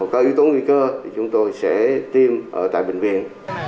có yếu tố nguy cơ thì chúng tôi sẽ tiêm ở tại bệnh viện